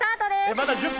また１０分？